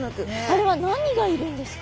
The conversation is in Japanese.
あれは何がいるんですか？